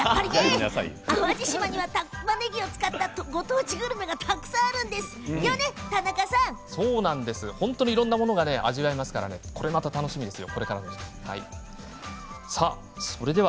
淡路島にはたまねぎを使ったご当地グルメがたくさん本当にいろいろなものが楽しめますからこの時期、楽しみですよ。